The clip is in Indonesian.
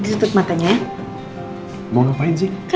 sekarang dipijit ya